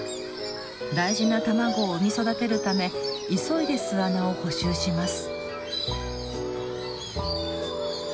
大事な卵を産み育てるため急いで巣穴を補修します。